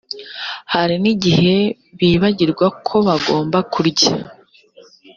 hari nigihe bibagirwa ko bagomba kurya